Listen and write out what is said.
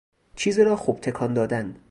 چیزی را خوب تکان دادن